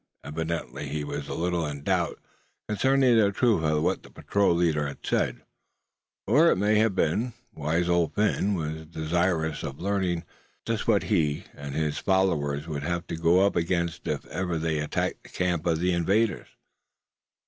Evidently he was a little in doubt concerning the truth of what the patrol leader had said; or it may have been, wise Old Phin was desirous of learning just what he and his followers would have to go up against if ever they attacked the camp of the invaders.